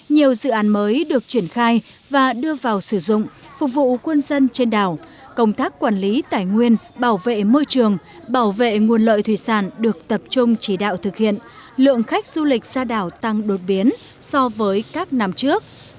nhiều dự án mới được triển khai và đưa vào sử dụng phục vụ quân dân trên đảo công tác quản lý tài nguyên bảo vệ môi trường bảo vệ nguồn lợi thủy sản được tập trung chỉ đạo thực hiện lượng khách du lịch ra đảo tăng đột biến so với các năm trước